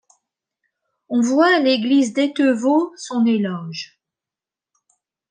On voit à l'église d'Etevaux, son éloge.